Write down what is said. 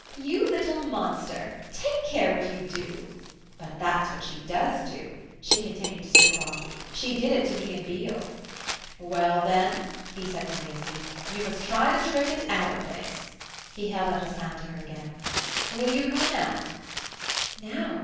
"You little monster take care what you do! But that's what she does do," she continued to Sir Claude. "She did it to me and Beale." "Well then," he said to Maisie, "you must try the trick at OUR place." He held out his hand to her again. "Will you come now?"